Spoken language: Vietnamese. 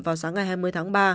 vào sáng ngày hai mươi tháng ba